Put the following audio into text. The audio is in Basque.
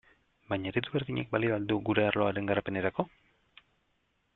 Baina eredu berdinak balio al du gure arloaren garapenerako?